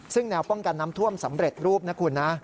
ซึ่งแนวป้องกันน้ำท่วมสำเร็จรูปนะคุณนะ